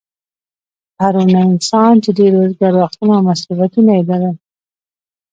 پرونی انسان چې ډېر وزگار وختونه او مصروفيتونه يې لرل